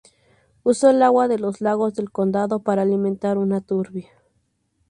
Usó el agua de los lagos del condado para alimentar una turbina.